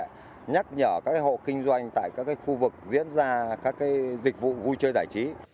và nhắc nhở các hộ kinh doanh tại các khu vực diễn ra các dịch vụ vui chơi giải trí